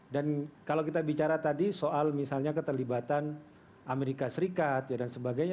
dan kalau kita bicara tadi soal misalnya keterlibatan amerika serikat ya dan sebagainya